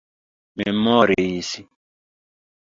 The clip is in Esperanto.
memoris